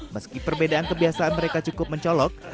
meski perbedaan kebiasaan mereka cukup mencolok